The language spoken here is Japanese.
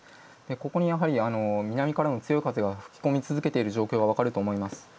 ここに南からの強い風が吹き込み続けている状況が分かると思います。